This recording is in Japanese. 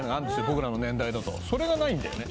僕らの年代だとそれがないんだよね